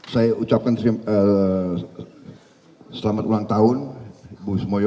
saya ucapkan selamat ulang tahun ibu kusmoyo